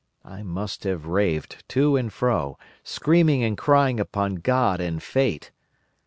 I must have raved to and fro, screaming and crying upon God and Fate.